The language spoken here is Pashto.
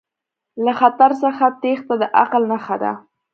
له خطر څخه تیښته د عقل نښه ده.